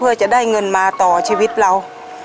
เพื่อจะได้เงินมาต่อชีวิตเรา